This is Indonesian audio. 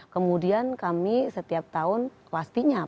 kemudian kami setiap tahun pastinya